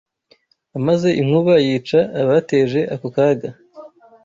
amaze inkuba yica abateje ako kaga